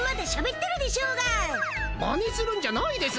マネするんじゃないです！